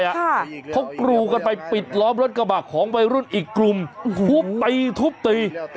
เขากรูกันไปปิดล้อมรถกระบะของวัยรุ่นอีกกลุ่มทุบตีทุบตี